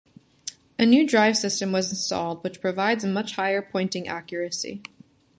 A new drive system was installed, which provides a much higher pointing accuracy.